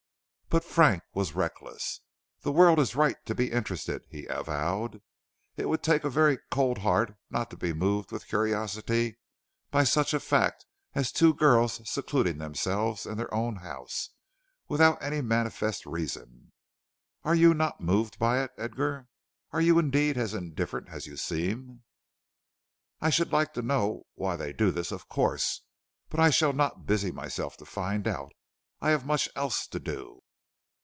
But Frank was reckless. "The world is right to be interested," he avowed. "It would take a very cold heart not to be moved with curiosity by such a fact as two girls secluding themselves in their own house, without any manifest reason. Are you not moved by it, Edgar? Are you, indeed, as indifferent as you seem?" "I should like to know why they do this, of course, but I shall not busy myself to find out. I have much else to do."